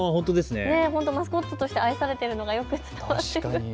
マスコットとして愛されているのがよく伝わってくる。